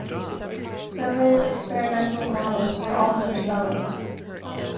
Several experimental models were also developed.